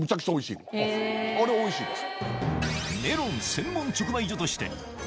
あれおいしいです。